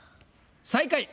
最下位。